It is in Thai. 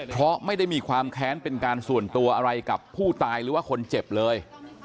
เพราะไม่ได้มีความแค้นเป็นการส่วนตัวอะไรกับผู้ตายหรือว่าคนเจ็บเลย